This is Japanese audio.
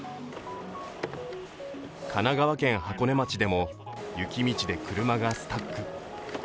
神奈川県箱根町でも雪道で車がスタック。